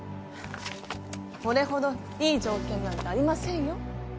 これほどいい条件なんてありませんよ。